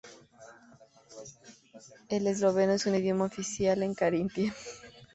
El esloveno es un idioma oficial en Carintia.